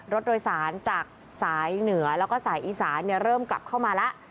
รถโดยสารจากสายเหนือแล้วก็สายอีสานเริ่มกลับเข้ามาแล้ว